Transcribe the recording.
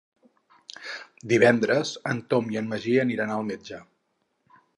Divendres en Tom i en Magí aniran al metge.